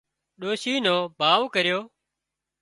ڏوشي نو ڀاوَ ڪريو